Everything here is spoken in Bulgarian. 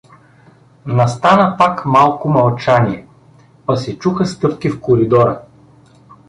— Настана пак малко мълчание, па се чуха стъпки в коридора.